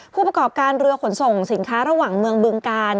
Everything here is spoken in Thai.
ผู้ประกอบการเรือขนส่งสินค้าระหว่างเมืองบึงกาล